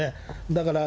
だから、